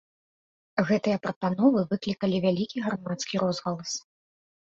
Гэтыя прапановы выклікалі вялікі грамадскі розгалас.